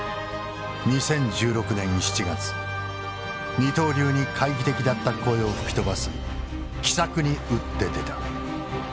二刀流に懐疑的だった声を吹き飛ばす奇策に打って出た。